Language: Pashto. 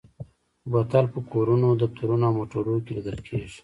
بوتل په کورونو، دفترونو او موټرو کې لیدل کېږي.